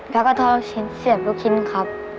แล้วก็ทอดลูกชิ้นเสียบลูกชิ้นครับ